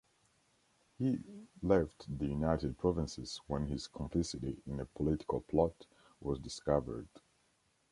He left the United Provinces when his complicity in a political plot was discovered.